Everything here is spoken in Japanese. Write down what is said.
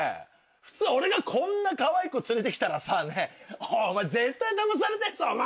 普通俺がこんなかわいい子連れて来たらさ「おい絶対だまされてるぞお前！」。